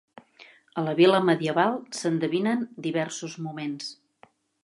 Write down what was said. A la vila medieval s'endevinen diversos moments.